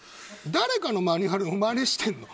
誰かのマニュアルをマネしてるの。